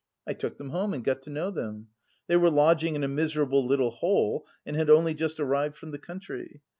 I took them home and got to know them. They were lodging in a miserable little hole and had only just arrived from the country.